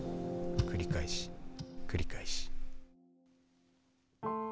繰り返し繰り返し。